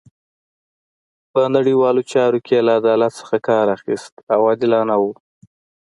په نړیوالو چارو کې یې له عدالت څخه کار اخیست او عادلانه وو.